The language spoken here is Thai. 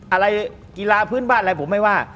อะไรกีฬาพื้นบ้านอะไรผมไม่ว่า